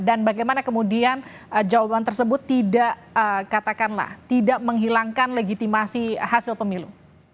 dan bagaimana kemudian jawaban tersebut tidak menghilangkan legitimasi hasil pemilu